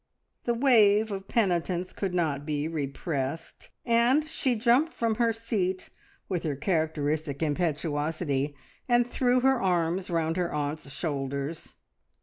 The wave of penitence could not be repressed, and she jumped from her seat with her characteristic impetuosity, and threw her arms round her aunt's shoulders.